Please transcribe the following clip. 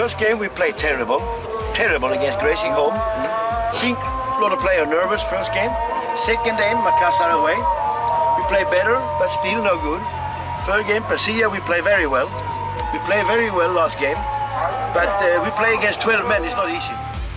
tapi kita bermain lawan dua belas orang tidak mudah